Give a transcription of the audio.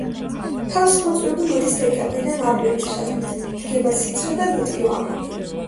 თავსხმა წვიმები მოდის დეკემბრიდან აპრილის ჩათვლით, დგება სიცხე და ნოტიო ამინდი.